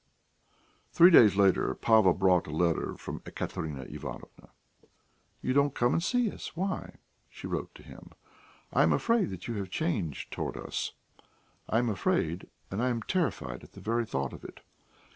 Three days later Pava brought a letter from Ekaterina Ivanovna. "You don't come and see us why?" she wrote to him. "I am afraid that you have changed towards us. I am afraid, and I am terrified at the very thought of it.